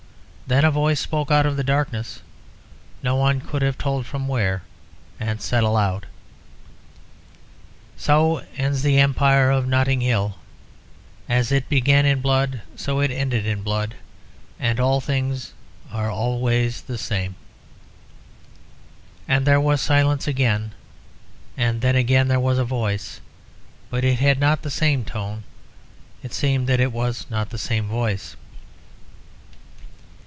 Then a voice spoke out of the darkness, no one could have told from where, and said aloud "So ends the Empire of Notting Hill. As it began in blood, so it ended in blood, and all things are always the same." And there was silence again, and then again there was a voice, but it had not the same tone; it seemed that it was not the same voice.